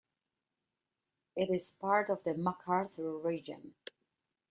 It is part of the Macarthur region.